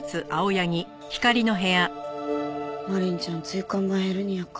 マリンちゃん椎間板ヘルニアか。